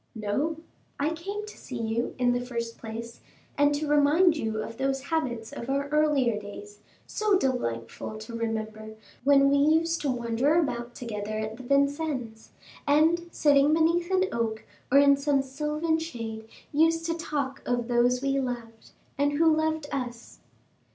"No; I came to see you, in the first place, and to remind you of those habits of our earlier days, so delightful to remember, when we used to wander about together at Vincennes, and, sitting beneath an oak, or in some sylvan shade, used to talk of those we loved, and who loved us."